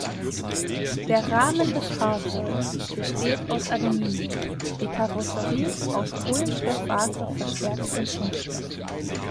Der Rahmen des Fahrzeugs besteht aus Aluminium, die Karosserie aus Kohlenstofffaserverstärktem Kunststoff.